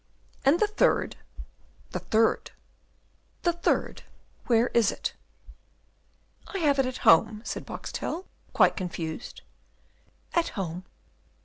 "And the third?" "The third!" "The third, where is it?" "I have it at home," said Boxtel, quite confused. "At home?